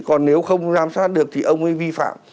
còn nếu không giám sát được thì ông ấy vi phạm